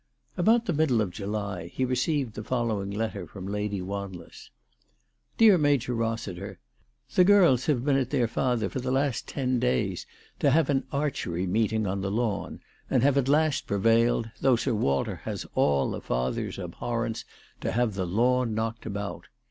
About the middle of July he received the following letter from Lady Wanless :" DEAR MAJOR HOSSITER, The girls have been at their father for the last ten days to have an archery meeting on the lawn, and have at last prevailed, though Sir Walter has all a father's abhorrence to have the lawn knocked about.